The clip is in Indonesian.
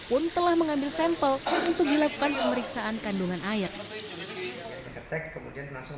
pun telah mengambil sampel untuk dilakukan pemeriksaan kandungan air cek kemudian langsung